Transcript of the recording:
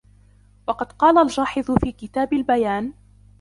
وَقَدْ قَالَ الْجَاحِظُ فِي كِتَابِ الْبَيَانِ